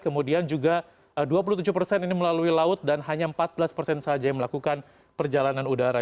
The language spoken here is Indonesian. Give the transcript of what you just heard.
kemudian juga dua puluh tujuh persen ini melalui laut dan hanya empat belas persen saja yang melakukan perjalanan udara